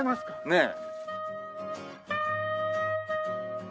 ねえ。